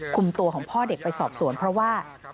คุมตัวของพ่อเด็กไปสอบสวนเพราะว่า